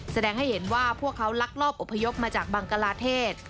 แสดงให้เห็นว่าพวกเขาลักลอบอพยพมาจากบังกลาเทศ